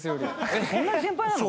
えっそんなに先輩なの？